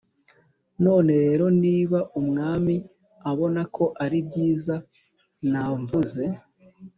None rero niba umwami abona ko ari byiza namvuze